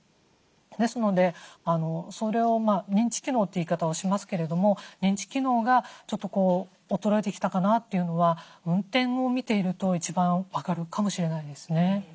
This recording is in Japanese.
ですのでそれを認知機能という言い方をしますけれども認知機能がちょっと衰えてきたかなというのは運転を見ていると一番分かるかもしれないですね。